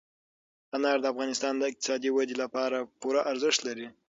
انار د افغانستان د اقتصادي ودې لپاره پوره ارزښت لري.